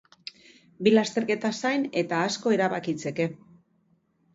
Bi lasterketa zain, eta asko erabakitzeke.